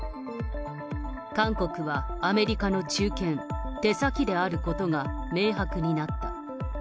韓国はアメリカの忠犬、手先であることが明白になった。